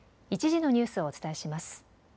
１時のニュースをお伝えします。